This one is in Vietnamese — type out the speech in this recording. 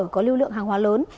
có lưu lượng hàng hóa lớn